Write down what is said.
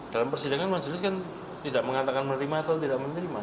dalam persidangan majelis kan tidak mengatakan menerima atau tidak menerima